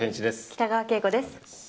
北川景子です。